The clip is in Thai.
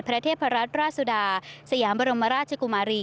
ประเทศราชราชุดาเซียมบรมราชกุมารี